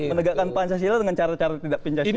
menegakkan pancasila dengan cara cara tidak pancasila